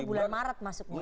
itu bulan maret masuknya